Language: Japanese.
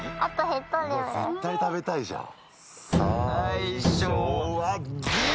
絶対食べたいじゃん。